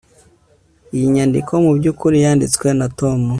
iyi nyandiko mubyukuri yanditswe na tom